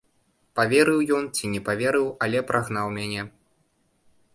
Паверыў ён ці не паверыў, але прагнаў мяне.